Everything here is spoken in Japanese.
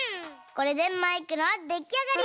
これでマイクのできあがり！